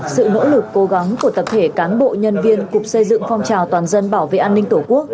sự nỗ lực cố gắng của tập thể cán bộ nhân viên cục xây dựng phong trào toàn dân bảo vệ an ninh tổ quốc